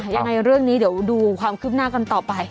ยังไงเรื่องนี้เดี๋ยวดูความคืบหน้ากันต่อไป